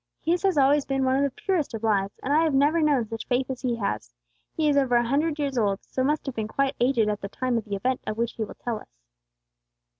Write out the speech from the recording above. His has always been one of the purest of lives; and I have never known such faith as he has. He is over a hundred years old, so must have been quite aged at the time of the event of which he will tell us."